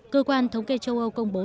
cơ quan thống kê châu âu công bố